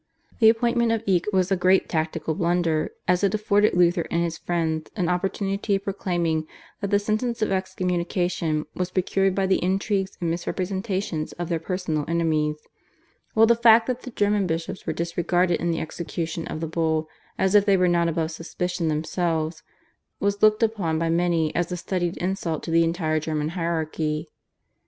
The appointment of Eck was a great tactical blunder, as it afforded Luther and his friends an opportunity of proclaiming that the sentence of excommunication was procured by the intrigues and misrepresentations of their personal enemies; while the fact that the German bishops were disregarded in the execution of the Bull as if they were not above suspicion themselves, was looked upon by many as a studied insult to the entire German hierarchy.